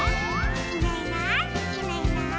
「いないいないいないいない」